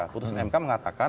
putusan mk mengatakan